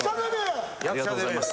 ありがとうございます・